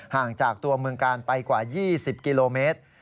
ห่างจากตัวเมืองกาลไปกว่า๒๐กิโลเมตร